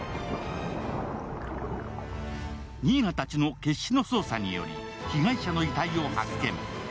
新名たちの決死の捜査により被害者の遺体を発見。